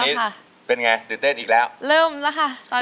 ค่ะเป็นไงตื่นเต้นอีกแล้วเริ่มแล้วค่ะ